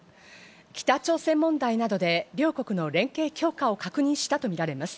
北朝鮮問題などで両国の連携強化を確認したと見られます。